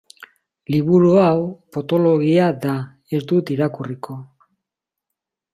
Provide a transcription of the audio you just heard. Liburu hau potoloegia da, ez dut irakurriko.